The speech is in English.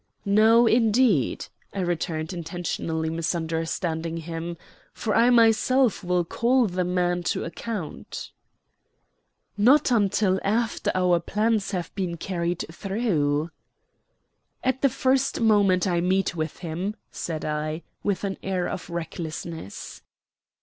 "No, indeed," I returned, intentionally misunderstanding him, "for I myself will call the man to account." "Not until after our plans have been carried through." "At the first moment I meet with him," said I, with an air of recklessness.